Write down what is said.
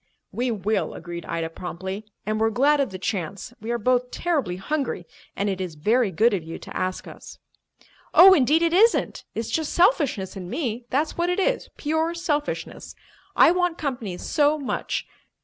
"We will," agreed Ida promptly. "And we're glad of the chance. We are both terribly hungry, and it is very good of you to ask us." "Oh, indeed, it isn't! It's just selfishness in me, that's what it is, pure selfishness! I want company so much.